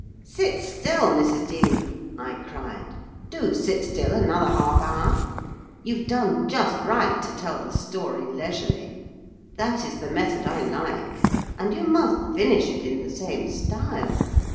"Sit still, Mrs. Dean," I cried; "do sit still another half hour. You've done just right to tell the story leisurely. That is the method I like; and you must finish it in the same style.